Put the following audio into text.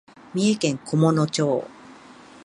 三重県菰野町